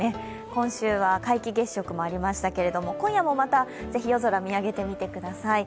今週は皆既月食もありましたけれども、今夜もまたぜひ夜空を見上げてみてください。